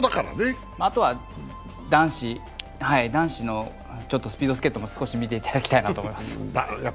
あとは男子のスピードスケートも少し見ていただきたいと思います。